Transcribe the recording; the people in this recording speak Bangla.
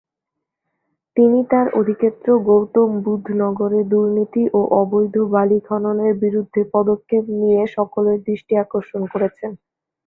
তিনি তার অধিক্ষেত্র গৌতম বুধ নগরে দুর্নীতি ও অবৈধ বালি খননের বিরুদ্ধে পদক্ষেপ নিয়ে সকলের দৃষ্টি আকর্ষণ করেছেন।